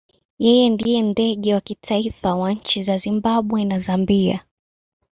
Yeye ndiye ndege wa kitaifa wa nchi za Zimbabwe na Zambia.